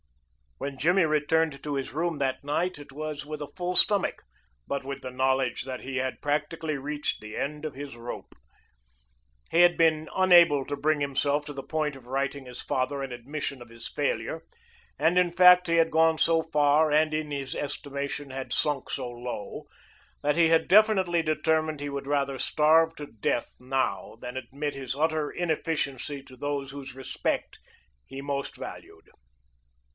When Jimmy returned to his room that night it was with a full stomach, but with the knowledge that he had practically reached the end of his rope. He had been unable to bring himself to the point of writing his father an admission of his failure, and in fact he had gone so far, and in his estimation had sunk so low, that he had definitely determined he would rather starve to death now than admit his utter inefficiency to those whose respect he most valued.